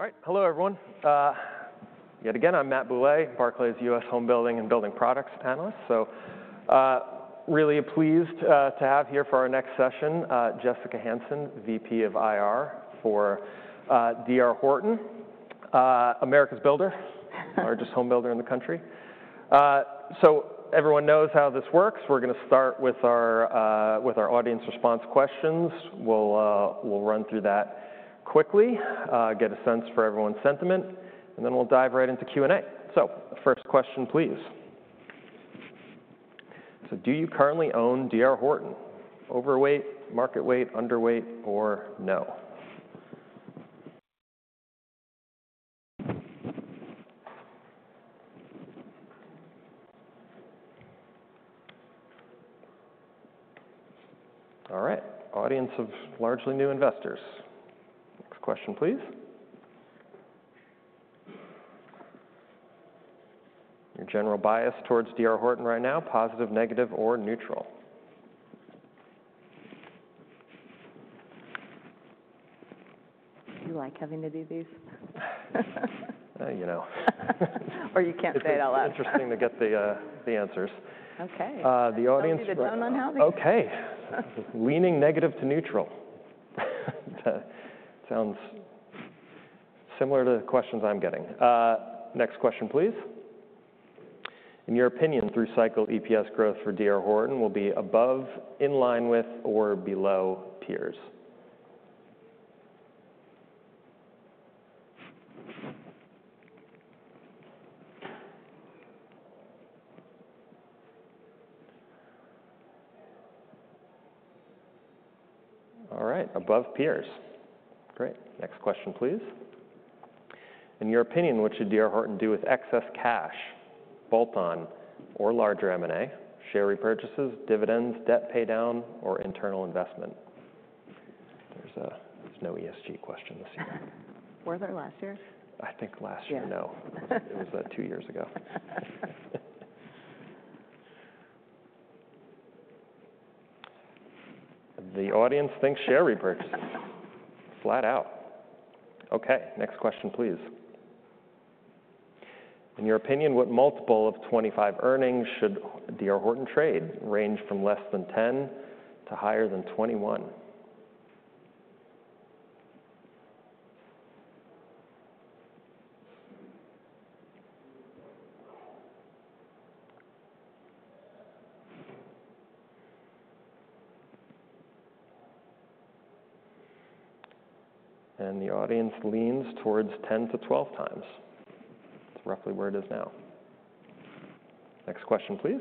All right. Hello, everyone. Yet again, I'm Matt Bouley, Barclays U.S. Homebuilding and Building Products Analyst, so really pleased to have here for our next session Jessica Hansen, VP of IR for D.R. Horton, America's builder, largest home builder in the country, so everyone knows how this works. We're going to start with our audience response questions. We'll run through that quickly, get a sense for everyone's sentiment, and then we'll dive right into Q&A, so first question, please. So do you currently own D.R. Horton? Overweight, market weight, underweight, or no? All right. Audience of largely new investors. Next question, please. Your general bias towards D.R. Horton right now? Positive, negative, or neutral? Do you like having to do these? You know. Or you can't say it out loud. It's interesting to get the answers. OK. The audience for. You need a donut on how? OK. Leaning negative to neutral. Sounds similar to the questions I'm getting. Next question, please. In your opinion, through cycle, EPS growth for D.R. Horton will be above, in line with, or below peers? All right. Above peers. Great. Next question, please. In your opinion, what should D.R. Horton do with excess cash, bolt-on, or larger M&A, share repurchases, dividends, debt pay down, or internal investment? There's no ESG question this year. Were there last year? I think last year, no. It was two years ago. The audience thinks share repurchases. Flat out. OK. Next question, please. In your opinion, what multiple of 2025 earnings should D.R. Horton trade range from less than 10 to higher than 21? And the audience leans towards 10x-12x. That's roughly where it is now. Next question, please.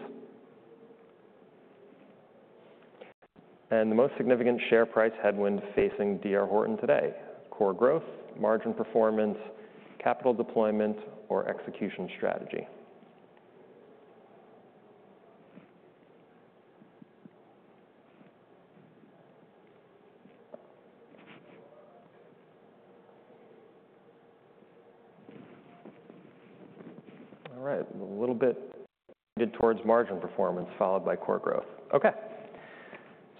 And the most significant share price headwind facing D.R. Horton today? Core growth, margin performance, capital deployment, or execution strategy? All right. A little bit towards margin performance, followed by core growth. OK.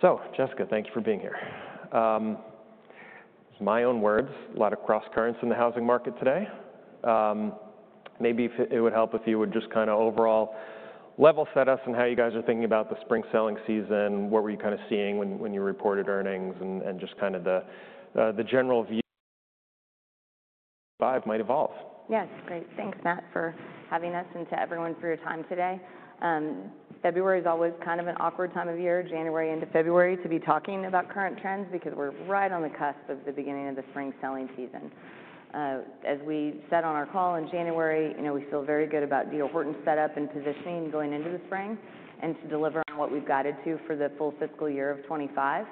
So Jessica, thank you for being here. It's my own words. A lot of cross currents in the housing market today. Maybe it would help if you would just kind of overall level set us in how you guys are thinking about the spring selling season, what were you kind of seeing when you reported earnings, and just kind of the general view might evolve? Yes. Great. Thanks, Matt, for having us and to everyone for your time today. February is always kind of an awkward time of year, January into February, to be talking about current trends because we're right on the cusp of the beginning of the spring selling season. As we said on our call in January, we feel very good about D.R. Horton's setup and positioning going into the spring and to deliver on what we've guided to for the full fiscal year of 2025.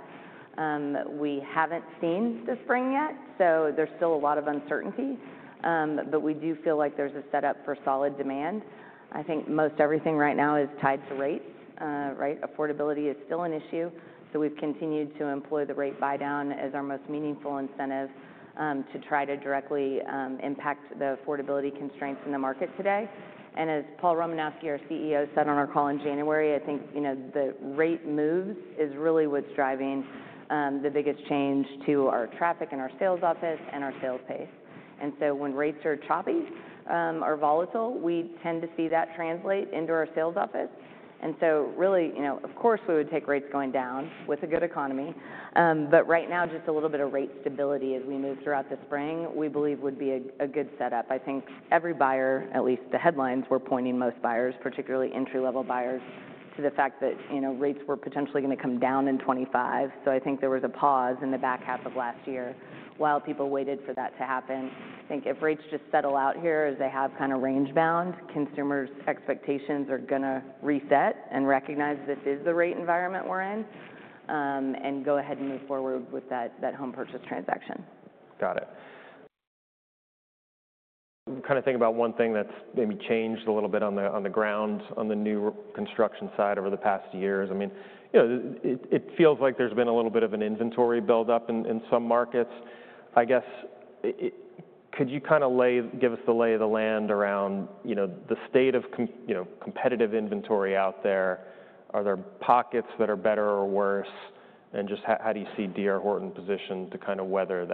We haven't seen the spring yet, so there's still a lot of uncertainty, but we do feel like there's a setup for solid demand. I think most everything right now is tied to rates. Affordability is still an issue, so we've continued to employ the rate buydown as our most meaningful incentive to try to directly impact the affordability constraints in the market today. And as Paul Romanowski, our CEO, said on our call in January, I think the rate moves is really what's driving the biggest change to our traffic and our sales office and our sales pace. And so when rates are choppy or volatile, we tend to see that translate into our sales office. And so really, of course, we would take rates going down with a good economy, but right now, just a little bit of rate stability as we move throughout the spring, we believe, would be a good setup. I think every buyer, at least the headlines were pointing most buyers, particularly entry-level buyers, to the fact that rates were potentially going to come down in 2025. So I think there was a pause in the back half of last year while people waited for that to happen. I think if rates just settle out here as they have kind of rangebound, consumers' expectations are going to reset and recognize this is the rate environment we're in and go ahead and move forward with that home purchase transaction. Got it. I'm kind of thinking about one thing that's maybe changed a little bit on the ground on the new construction side over the past years. I mean, it feels like there's been a little bit of an inventory buildup in some markets. I guess, could you kind of give us the lay of the land around the state of competitive inventory out there? Are there pockets that are better or worse, and just how do you see D.R. Horton positioned to kind of weather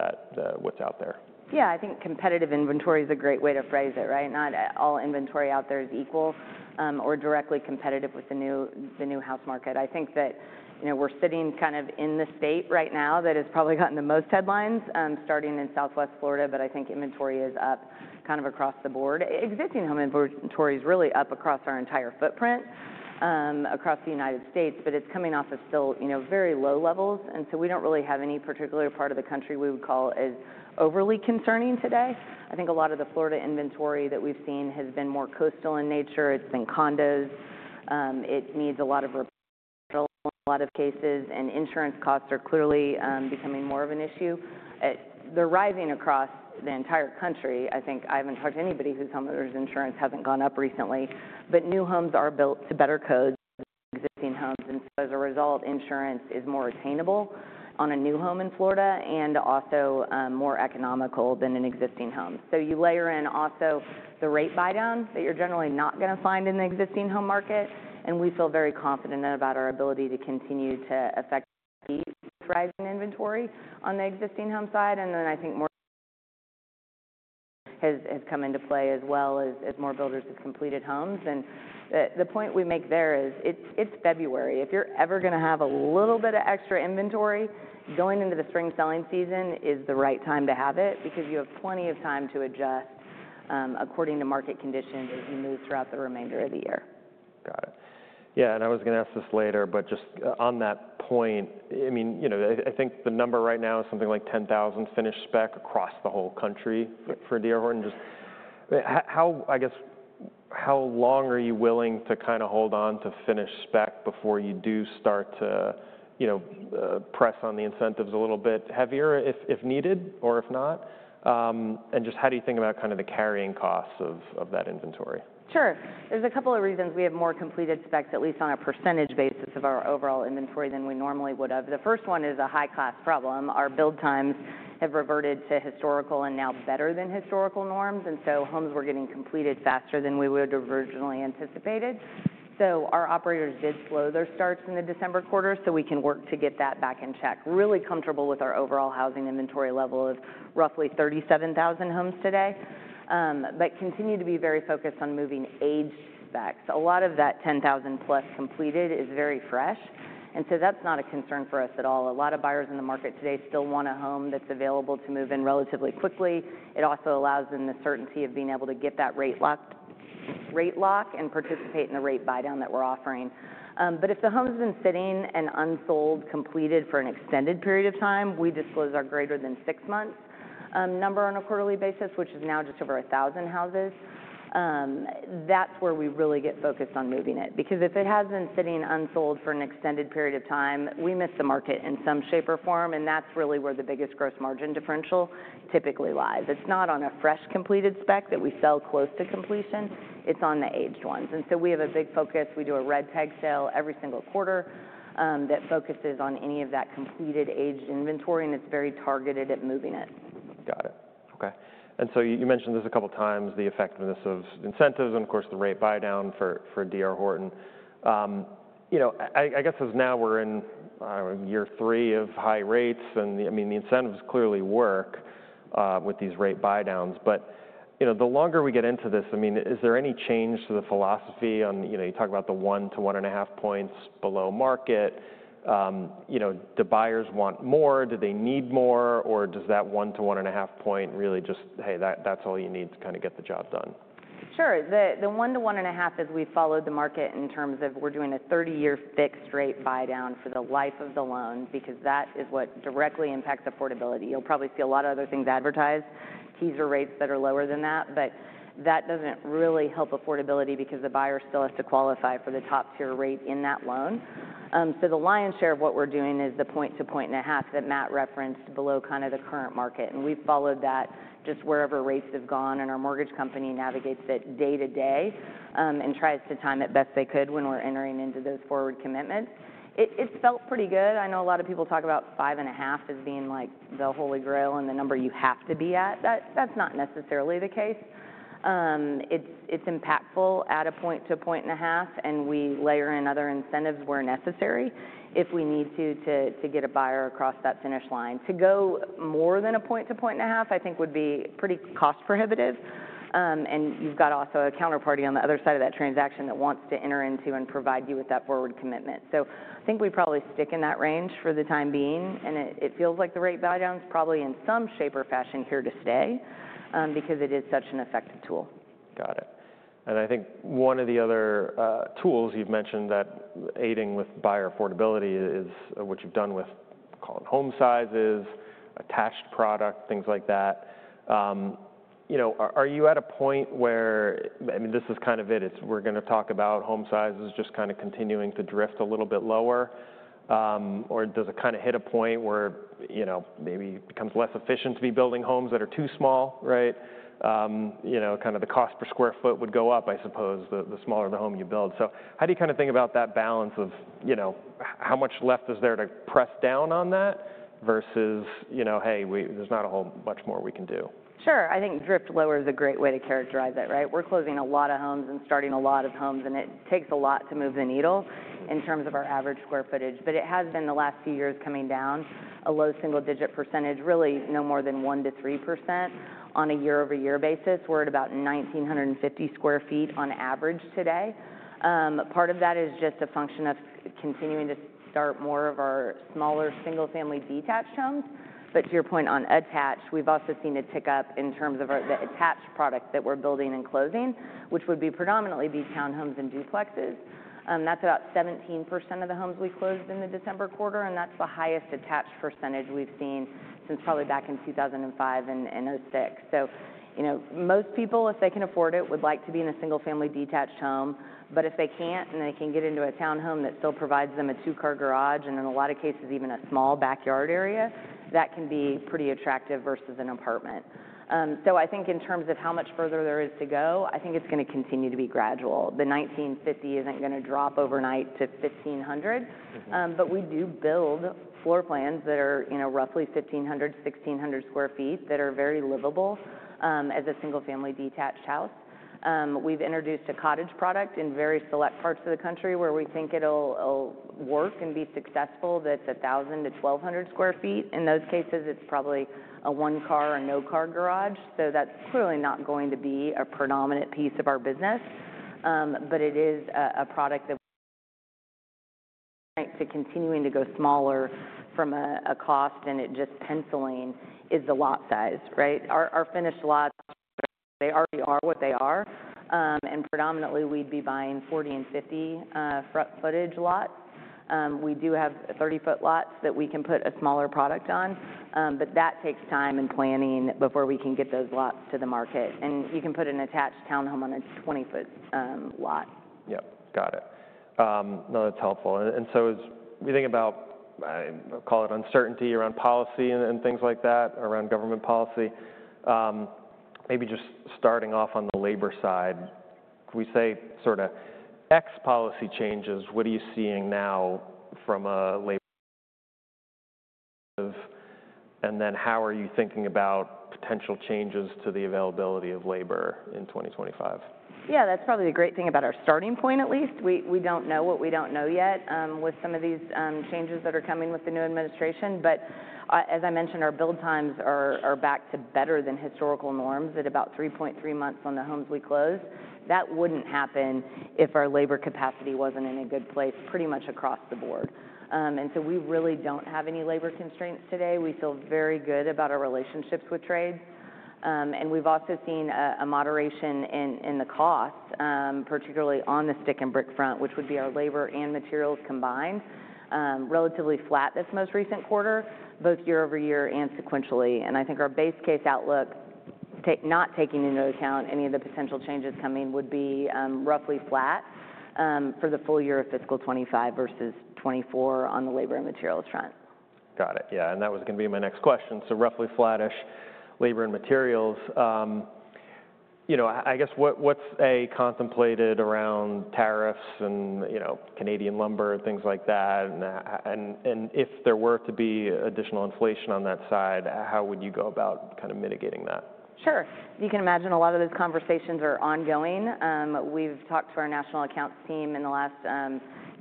what's out there? Yeah. I think competitive inventory is a great way to phrase it, right? Not all inventory out there is equal or directly competitive with the new house market. I think that we're sitting kind of in the state right now that has probably gotten the most headlines, starting in Southwest Florida, but I think inventory is up kind of across the board. Existing home inventory is really up across our entire footprint across the United States, but it's coming off of still very low levels. And so we don't really have any particular part of the country we would call overly concerning today. I think a lot of the Florida inventory that we've seen has been more coastal in nature. It's been condos. It needs a lot of repairs in a lot of cases, and insurance costs are clearly becoming more of an issue. They're rising across the entire country. I think I haven't talked to anybody whose homeowner's insurance hasn't gone up recently, but new homes are built to better codes than existing homes. And so as a result, insurance is more attainable on a new home in Florida and also more economical than an existing home. So you layer in also the rate buy down that you're generally not going to find in the existing home market. And we feel very confident about our ability to continue to affect rising inventory on the existing home side. And then I think more has come into play as well as more builders have completed homes. And the point we make there is it's February. If you're ever going to have a little bit of extra inventory, going into the spring selling season is the right time to have it because you have plenty of time to adjust according to market conditions as you move throughout the remainder of the year. Got it. Yeah. And I was going to ask this later, but just on that point, I mean, I think the number right now is something like 10,000 finished spec across the whole country for D.R. Horton. I guess, how long are you willing to kind of hold on to finished spec before you do start to press on the incentives a little bit heavier if needed or if not? And just how do you think about kind of the carrying costs of that inventory? Sure. There's a couple of reasons we have more completed specs, at least on a percentage basis of our overall inventory than we normally would have. The first one is a high-class problem. Our build times have reverted to historical and now better than historical norms, and so homes were getting completed faster than we would have originally anticipated, so our operators did slow their starts in the December quarter, so we can work to get that back in check. Really comfortable with our overall housing inventory level of roughly 37,000 homes today but continue to be very focused on moving aged specs. A lot of that 10,000+ completed is very fresh, and so that's not a concern for us at all. A lot of buyers in the market today still want a home that's available to move in relatively quickly. It also allows them the certainty of being able to get that rate lock and participate in the rate buy down that we're offering. But if the home's been sitting and unsold, completed for an extended period of time, we disclose our greater than six months number on a quarterly basis, which is now just over 1,000 houses. That's where we really get focused on moving it because if it has been sitting unsold for an extended period of time, we miss the market in some shape or form. And that's really where the biggest gross margin differential typically lies. It's not on a fresh completed spec that we sell close to completion. It's on the aged ones. And so we have a big focus. We do a Red Tag sale every single quarter that focuses on any of that completed aged inventory. And it's very targeted at moving it. Got it. OK. And so you mentioned this a couple of times, the effectiveness of incentives and, of course, the rate buy down for D.R. Horton. I guess as now we're in year three of high rates, and I mean, the incentives clearly work with these rate buy downs. But the longer we get into this, I mean, is there any change to the philosophy on you talk about the one to one and a half points below market? Do buyers want more? Do they need more? Or does that one to one and a half point really just, hey, that's all you need to kind of get the job done? Sure. The one to one and a half is we followed the market in terms of we're doing a 30-year fixed rate buy down for the life of the loan because that is what directly impacts affordability. You'll probably see a lot of other things advertised, teaser rates that are lower than that, but that doesn't really help affordability because the buyer still has to qualify for the top tier rate in that loan. So the lion's share of what we're doing is the point to point and a half that Matt referenced below kind of the current market. And we've followed that just wherever rates have gone, and our mortgage company navigates it day to day and tries to time it best they could when we're entering into those forward commitments. It's felt pretty good. I know a lot of people talk about five and a half as being like the holy grail and the number you have to be at. That's not necessarily the case. It's impactful at a point to point and a half, and we layer in other incentives where necessary if we need to get a buyer across that finish line. To go more than a point to point and a half, I think, would be pretty cost prohibitive. And you've got also a counterparty on the other side of that transaction that wants to enter into and provide you with that forward commitment. So I think we probably stick in that range for the time being. And it feels like the rate buy down's probably in some shape or fashion here to stay because it is such an effective tool. Got it. And I think one of the other tools you've mentioned that aiding with buyer affordability is what you've done with home sizes, attached product, things like that. Are you at a point where I mean, this is kind of it? We're going to talk about home sizes just kind of continuing to drift a little bit lower. Or does it kind of hit a point where maybe it becomes less efficient to be building homes that are too small, right? Kind of the cost per square foot would go up, I suppose, the smaller the home you build. So how do you kind of think about that balance of how much left is there to press down on that versus, hey, there's not a whole much more we can do? Sure. I think drift lower is a great way to characterize it, right? We're closing a lot of homes and starting a lot of homes, and it takes a lot to move the needle in terms of our average square footage. But it has been the last few years coming down a low single digit percentage, really no more than 1%-3% on a year-over-year basis. We're at about 1,950 sq ft on average today. Part of that is just a function of continuing to start more of our smaller single-family detached homes. But to your point on attached, we've also seen a tick up in terms of the attached product that we're building and closing, which would predominantly be townhomes and duplexes. That's about 17% of the homes we closed in the December quarter, and that's the highest attached percentage we've seen since probably back in 2005 and 2006. So most people, if they can afford it, would like to be in a single-family detached home. But if they can't and they can get into a townhome that still provides them a two-car garage and in a lot of cases even a small backyard area, that can be pretty attractive versus an apartment. So I think in terms of how much further there is to go, I think it's going to continue to be gradual. The 1,950 isn't going to drop overnight to 1,500, but we do build floor plans that are roughly 1,500-1,600 sq ft that are very livable as a single-family detached house. We've introduced a cottage product in very select parts of the country where we think it'll work and be successful. That's 1,000-1,200 sq ft. In those cases, it's probably a one-car or no-car garage. So that's clearly not going to be a predominant piece of our business, but it is a product that continuing to go smaller from a cost and it just penciling is the lot size, right? Our finished lots, they already are what they are. Predominantly, we'd be buying 40- and 50-foot lots. We do have 30-foot lots that we can put a smaller product on, but that takes time and planning before we can get those lots to the market. You can put an attached townhome on a 20-foot lot. Yep. Got it. No, that's helpful. And so as we think about, I'll call it uncertainty around policy and things like that, around government policy, maybe just starting off on the labor side, we say sort of X policy changes, what are you seeing now from a labor perspective? And then how are you thinking about potential changes to the availability of labor in 2025? Yeah. That's probably the great thing about our starting point, at least. We don't know what we don't know yet with some of these changes that are coming with the new administration. But as I mentioned, our build times are back to better than historical norms at about 3.3 months on the homes we close. That wouldn't happen if our labor capacity wasn't in a good place pretty much across the board. And so we really don't have any labor constraints today. We feel very good about our relationships with trades. And we've also seen a moderation in the cost, particularly on the stick and brick front, which would be our labor and materials combined, relatively flat this most recent quarter, both year-over-year and sequentially. I think our base case outlook, not taking into account any of the potential changes coming, would be roughly flat for the full year of fiscal 2025 versus 2024 on the labor and materials front. Got it. Yeah, and that was going to be my next question. So roughly flattish labor and materials. I guess what's anticipated around tariffs and Canadian lumber and things like that? And if there were to be additional inflation on that side, how would you go about kind of mitigating that? Sure. You can imagine a lot of those conversations are ongoing. We've talked to our national accounts team in the last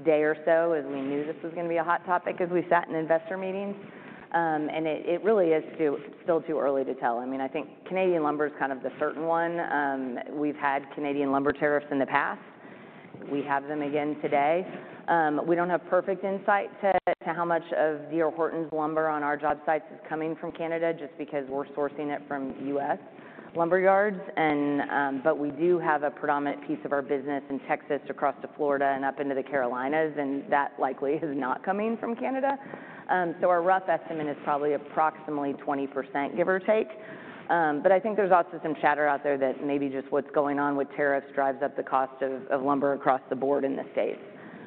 day or so as we knew this was going to be a hot topic as we sat in investor meetings, and it really is still too early to tell. I mean, I think Canadian lumber is kind of the certain one. We've had Canadian lumber tariffs in the past. We have them again today. We don't have perfect insight to how much of D.R. Horton's lumber on our job sites is coming from Canada just because we're sourcing it from U.S. lumber yards, but we do have a predominant piece of our business in Texas across to Florida and up into the Carolinas, and that likely is not coming from Canada, so our rough estimate is probably approximately 20%, give or take. But I think there's also some chatter out there that maybe just what's going on with tariffs drives up the cost of lumber across the board in the States.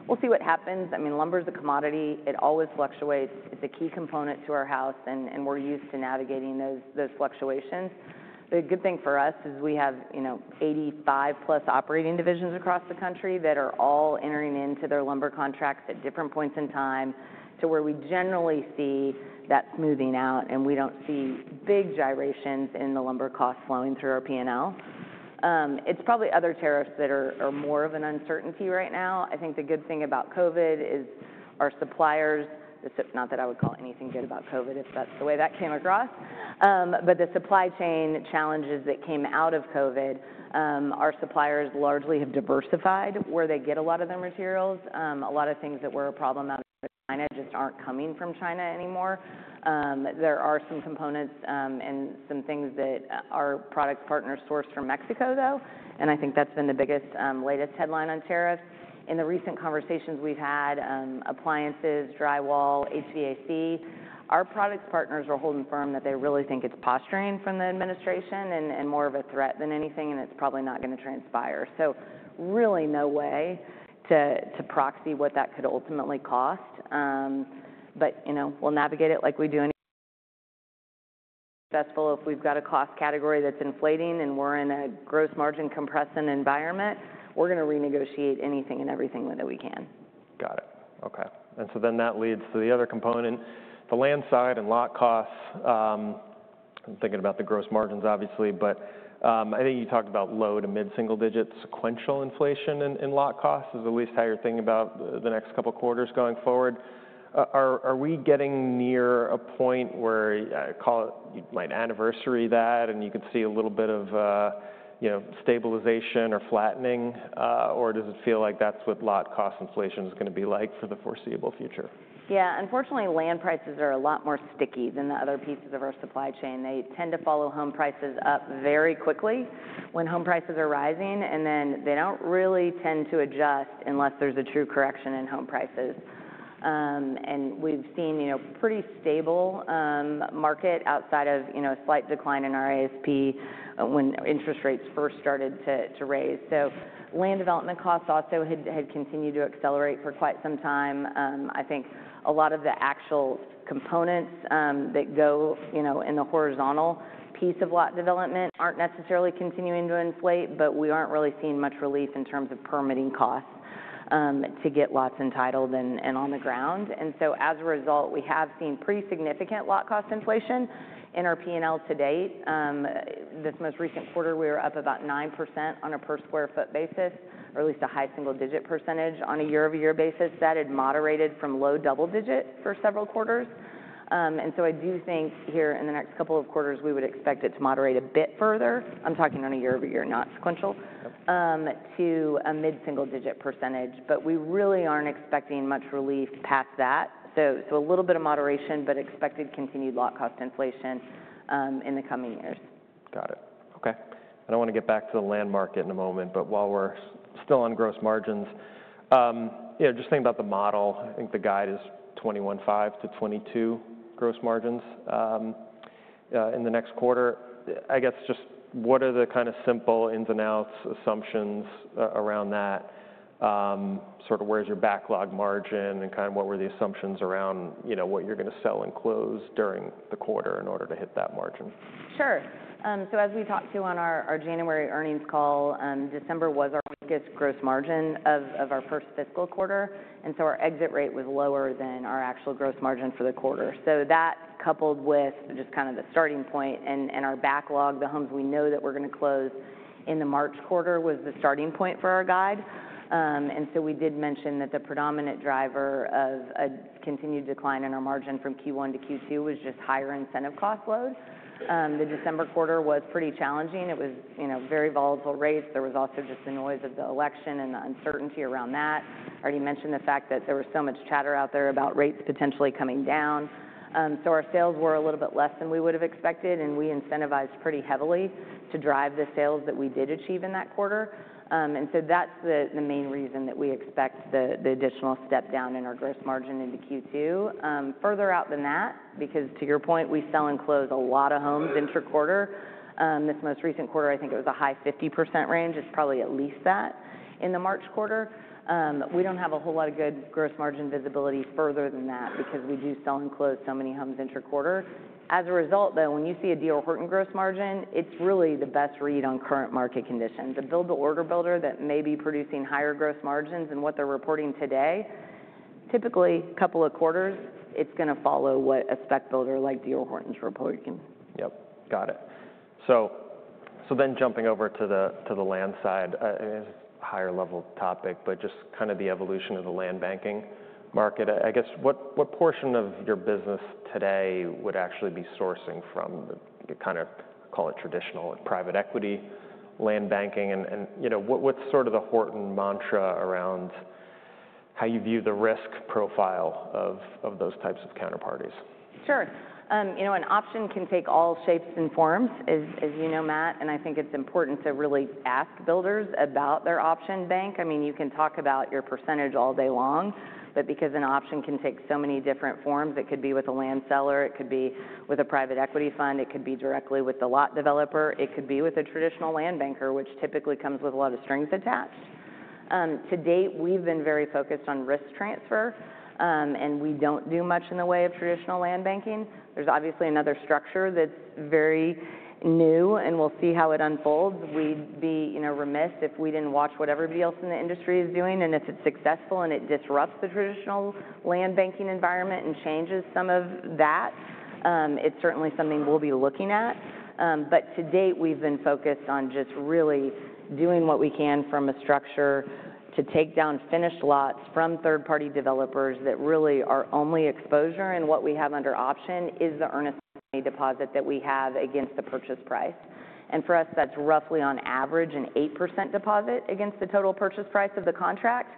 We'll see what happens. I mean, lumber is a commodity. It always fluctuates. It's a key component to our house. And we're used to navigating those fluctuations. The good thing for us is we have 85+ operating divisions across the country that are all entering into their lumber contracts at different points in time to where we generally see that smoothing out. And we don't see big gyrations in the lumber cost flowing through our P&L. It's probably other tariffs that are more of an uncertainty right now. I think the good thing about COVID is our suppliers, not that I would call anything good about COVID if that's the way that came across, but the supply chain challenges that came out of COVID, our suppliers largely have diversified where they get a lot of their materials. A lot of things that were a problem out of China just aren't coming from China anymore. There are some components and some things that our products partners source from Mexico, though, and I think that's been the biggest latest headline on tariffs. In the recent conversations we've had, appliances, drywall, HVAC, our products partners are holding firm that they really think it's posturing from the administration and more of a threat than anything, and it's probably not going to transpire, so really no way to proxy what that could ultimately cost, but we'll navigate it like we do anything successful. If we've got a cost category that's inflating and we're in a gross margin compression environment, we're going to renegotiate anything and everything that we can. Got it. OK. And so then that leads to the other component, the land side and lot costs. I'm thinking about the gross margins, obviously. But I think you talked about low- to mid-single-digit sequential inflation in lot costs, is at least how you're thinking about the next couple of quarters going forward. Are we getting near a point where you'd like anniversary that and you could see a little bit of stabilization or flattening? Or does it feel like that's what lot cost inflation is going to be like for the foreseeable future? Yeah. Unfortunately, land prices are a lot more sticky than the other pieces of our supply chain. They tend to follow home prices up very quickly when home prices are rising. And then they don't really tend to adjust unless there's a true correction in home prices. And we've seen a pretty stable market outside of a slight decline in our ASP when interest rates first started to rise. So land development costs also had continued to accelerate for quite some time. I think a lot of the actual components that go in the horizontal piece of lot development aren't necessarily continuing to inflate, but we aren't really seeing much relief in terms of permitting costs to get lots entitled and on the ground. And so as a result, we have seen pretty significant lot cost inflation in our P&L to date. This most recent quarter, we were up about 9% on a per sq ft basis, or at least a high single digit percentage on a year-over-year basis. That had moderated from low double digit for several quarters. And so I do think here in the next couple of quarters, we would expect it to moderate a bit further. I'm talking on a year-over-year, not sequential, to a mid-single digit percentage. But we really aren't expecting much relief past that. So a little bit of moderation, but expected continued lot cost inflation in the coming years. Got it. OK. I don't want to get back to the land market in a moment, but while we're still on gross margins, just thinking about the model, I think the guide is 21.5%-22% gross margins in the next quarter. I guess just what are the kind of simple ins and outs assumptions around that? Sort of where's your backlog margin and kind of what were the assumptions around what you're going to sell and close during the quarter in order to hit that margin? Sure, so as we talked to on our January earnings call, December was our weakest gross margin of our first fiscal quarter, and so our exit rate was lower than our actual gross margin for the quarter, so that coupled with just kind of the starting point and our backlog, the homes we know that we're going to close in the March quarter was the starting point for our guide, and so we did mention that the predominant driver of a continued decline in our margin from Q1 to Q2 was just higher incentive cost load. The December quarter was pretty challenging. It was very volatile rates. There was also just the noise of the election and the uncertainty around that. I already mentioned the fact that there was so much chatter out there about rates potentially coming down. Our sales were a little bit less than we would have expected. And we incentivized pretty heavily to drive the sales that we did achieve in that quarter. And so that's the main reason that we expect the additional step down in our gross margin into Q2. Further out than that, because to your point, we sell and close a lot of homes intra quarter. This most recent quarter, I think it was a high 50% range. It's probably at least that in the March quarter. We don't have a whole lot of good gross margin visibility further than that because we do sell and close so many homes intra quarter. As a result, though, when you see a D.R. Horton gross margin, it's really the best read on current market conditions. A build-to-order builder that may be producing higher gross margins than what they're reporting today, typically a couple of quarters. It's going to follow what a spec builder like D.R. Horton's reporting can. Yep. Got it. So then jumping over to the land side, higher level topic, but just kind of the evolution of the land banking market, I guess what portion of your business today would actually be sourcing from the kind of, I'll call it traditional private equity land banking? And what's sort of the Horton mantra around how you view the risk profile of those types of counterparties? Sure. An option can take all shapes and forms, as you know, Matt. And I think it's important to really ask builders about their option bank. I mean, you can talk about your percentage all day long. But because an option can take so many different forms, it could be with a land seller. It could be with a private equity fund. It could be directly with the lot developer. It could be with a traditional land banker, which typically comes with a lot of strings attached. To date, we've been very focused on risk transfer. And we don't do much in the way of traditional land banking. There's obviously another structure that's very new. And we'll see how it unfolds. We'd be remiss if we didn't watch what everybody else in the industry is doing. If it's successful and it disrupts the traditional land banking environment and changes some of that, it's certainly something we'll be looking at. To date, we've been focused on just really doing what we can from a structure to take down finished lots from third-party developers that really are only exposure. What we have under option is the earnest money deposit that we have against the purchase price. For us, that's roughly on average an 8% deposit against the total purchase price of the contract.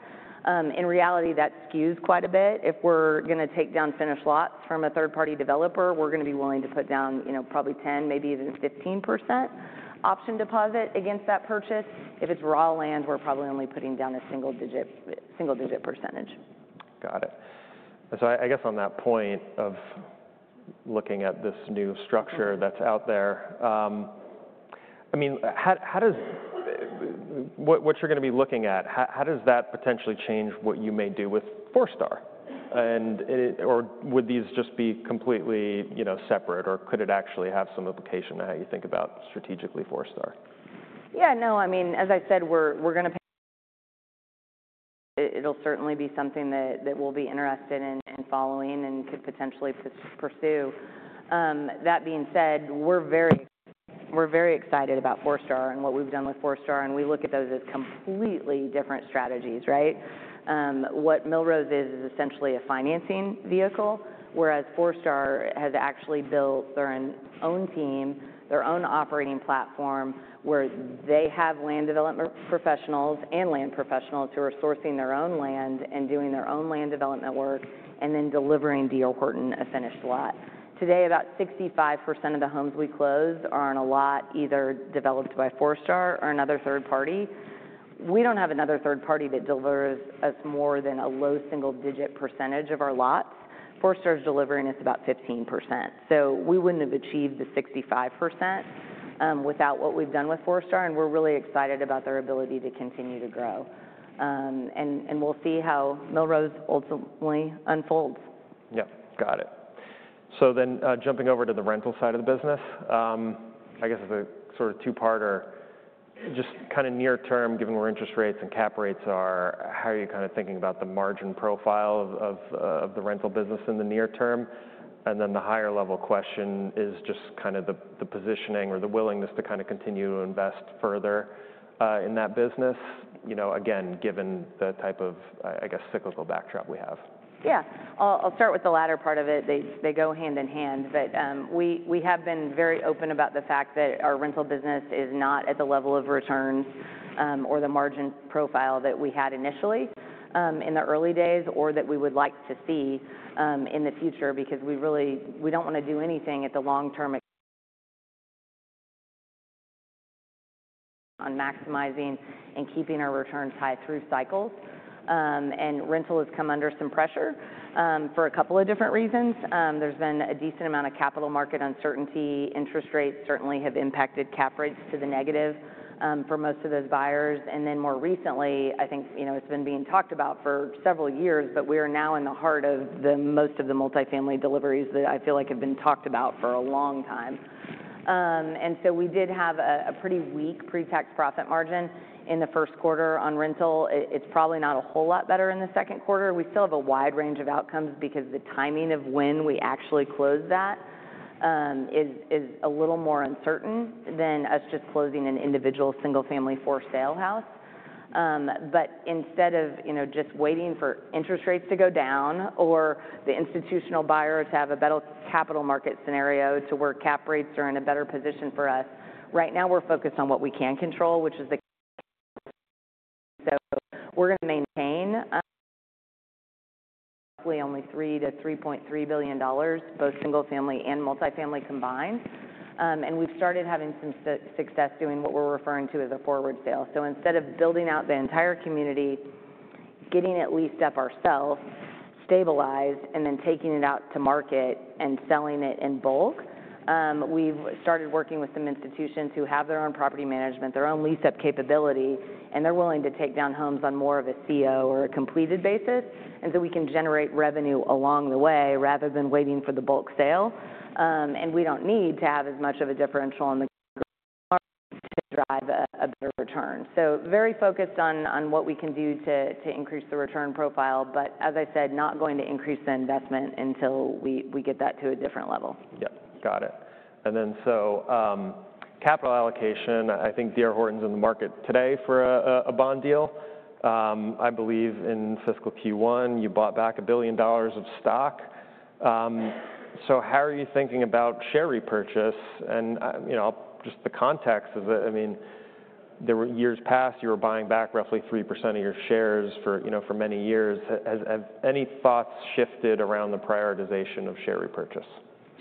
In reality, that skews quite a bit. If we're going to take down finished lots from a third-party developer, we're going to be willing to put down probably 10%, maybe even 15% option deposit against that purchase. If it's raw land, we're probably only putting down a single digit percentage. Got it. So I guess on that point of looking at this new structure that's out there, I mean, what you're going to be looking at, how does that potentially change what you may do with Forestar? Or would these just be completely separate? Or could it actually have some implication on how you think about strategically Forestar? Yeah. No. I mean, as I said, we're going to pay. It'll certainly be something that we'll be interested in following and could potentially pursue. That being said, we're very excited about Forestar and what we've done with Forestar. And we look at those as completely different strategies, right? What Millrose is, is essentially a financing vehicle, whereas Forestar has actually built their own team, their own operating platform where they have land development professionals and land professionals who are sourcing their own land and doing their own land development work and then delivering D.R. Horton a finished lot. Today, about 65% of the homes we close are on a lot either developed by Forestar or another third party. We don't have another third party that delivers us more than a low single digit percentage of our lots. Forestar is delivering us about 15%. So we wouldn't have achieved the 65% without what we've done with Forestar. And we're really excited about their ability to continue to grow. And we'll see how Millrose ultimately unfolds. Yep. Got it, so then jumping over to the rental side of the business, I guess as a sort of two-parter, just kind of near term, given where interest rates and cap rates are, how are you kind of thinking about the margin profile of the rental business in the near term? And then the higher level question is just kind of the positioning or the willingness to kind of continue to invest further in that business, again, given the type of, I guess, cyclical backdrop we have. Yeah. I'll start with the latter part of it. They go hand in hand, but we have been very open about the fact that our rental business is not at the level of returns or the margin profile that we had initially in the early days or that we would like to see in the future because we don't want to do anything at the long term on maximizing and keeping our returns high through cycles, and rental has come under some pressure for a couple of different reasons. There's been a decent amount of capital market uncertainty. Interest rates certainly have impacted cap rates to the negative for most of those buyers. And then more recently, I think it's been being talked about for several years, but we are now in the heart of most of the multifamily deliveries that I feel like have been talked about for a long time. And so we did have a pretty weak pre-tax profit margin in the first quarter on rental. It's probably not a whole lot better in the second quarter. We still have a wide range of outcomes because the timing of when we actually close that is a little more uncertain than us just closing an individual single-family for-sale house. But instead of just waiting for interest rates to go down or the institutional buyers to have a better capital market scenario to where cap rates are in a better position for us, right now we're focused on what we can control, which is the. So we're going to maintain roughly only $3 billion-$3.3 billion, both single-family and multifamily combined. And we've started having some success doing what we're referring to as a forward sale. So instead of building out the entire community, getting it leased up ourselves, stabilized, and then taking it out to market and selling it in bulk, we've started working with some institutions who have their own property management, their own lease-up capability. And they're willing to take down homes on more of a CO or a completed basis so we can generate revenue along the way rather than waiting for the bulk sale. And we don't need to have as much of a differential on the margin to drive a better return. So very focused on what we can do to increase the return profile, but as I said, not going to increase the investment until we get that to a different level. Yep. Got it. And then so capital allocation, I think D.R. Horton's in the market today for a bond deal. I believe in fiscal Q1, you bought back $1 billion of stock. So how are you thinking about share repurchase? And just the context is that, I mean, years past, you were buying back roughly 3% of your shares for many years. Have any thoughts shifted around the prioritization of share repurchase?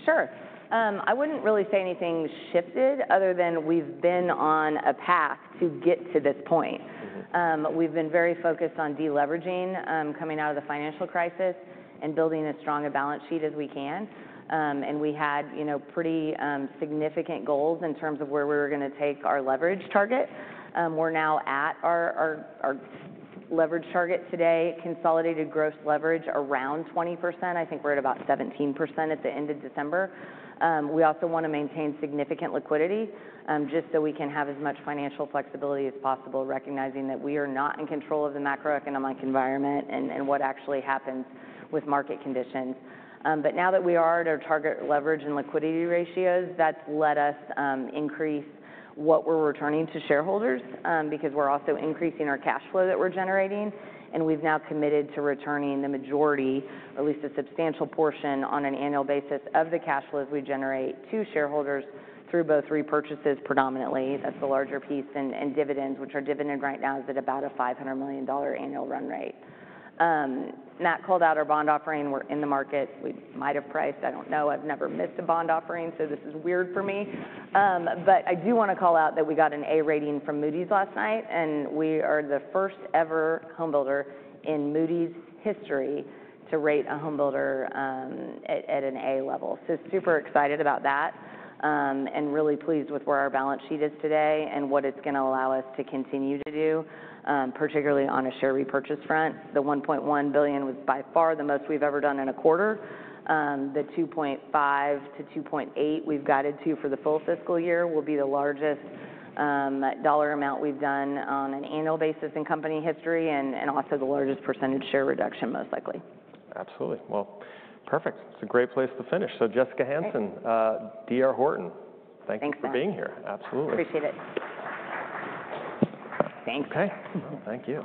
Sure. I wouldn't really say anything shifted other than we've been on a path to get to this point. We've been very focused on deleveraging coming out of the financial crisis and building as strong a balance sheet as we can. We had pretty significant goals in terms of where we were going to take our leverage target. We're now at our leverage target today, consolidated gross leverage around 20%. I think we're at about 17% at the end of December. We also want to maintain significant liquidity just so we can have as much financial flexibility as possible, recognizing that we are not in control of the macroeconomic environment and what actually happens with market conditions. Now that we are at our target leverage and liquidity ratios, that's led us to increase what we're returning to shareholders because we're also increasing our cash flow that we're generating. We've now committed to returning the majority, or at least a substantial portion on an annual basis of the cash flows we generate to shareholders through both repurchases predominantly. That's the larger piece. Dividends, which are dividend right now, is at about a $500 million annual run rate. Matt called out our bond offering. We're in the market. We might have priced. I don't know. I've never missed a bond offering, so this is weird for me. I do want to call out that we got an A rating from Moody's last night. We are the first-ever homebuilder in Moody's history to rate a homebuilder at an A level. Super excited about that and really pleased with where our balance sheet is today and what it's going to allow us to continue to do, particularly on a share repurchase front. The $1.1 billion was by far the most we've ever done in a quarter. The $2.5-$2.8 we've guided to for the full fiscal year will be the largest dollar amount we've done on an annual basis in company history and also the largest percentage share reduction most likely. Absolutely. Well, perfect. It's a great place to finish. So Jessica Hansen, D.R. Horton, thanks for being here. Absolutely. Thanks. Appreciate it. Thanks. OK. Thank you.